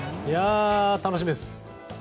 楽しみですよね。